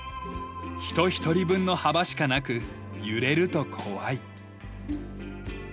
人一人分の幅しかなく揺れると怖い。